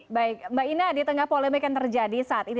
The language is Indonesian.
baik mbak ina di tengah polemik yang terjadi saat ini